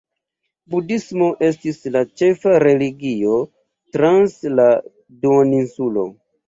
Budhismo estis la ĉefa religio trans la duoninsulo.